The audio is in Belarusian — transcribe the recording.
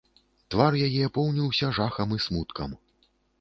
Твар яе поўніўся жахам і смуткам.